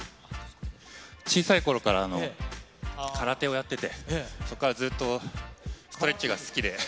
小さいころから空手をやってて、そこからずっと、ストレッチが好きで。